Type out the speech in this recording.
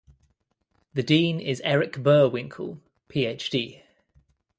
The dean is Eric Boerwinkle, Ph.D.